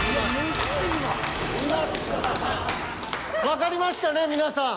わかりましたね皆さん。